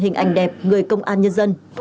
hình ảnh đẹp người công an nhân dân